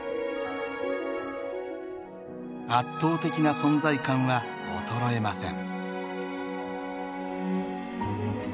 圧倒的な存在感は衰えません。